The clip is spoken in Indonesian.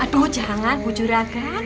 aduh jangan bu juraga